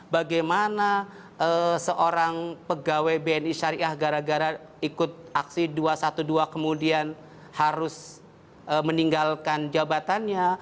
bagaimana seorang pegawai bni syariah gara gara ikut aksi dua ratus dua belas kemudian harus meninggalkan jabatannya